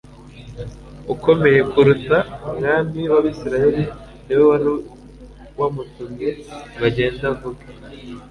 Ukomeye kuruta umwami wAbisirayeli ni we wari wamutumye ngo agende avuge